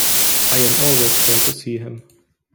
I am always glad to see him.